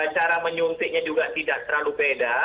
cara menyuntiknya juga tidak terlalu beda